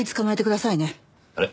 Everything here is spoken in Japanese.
あれ？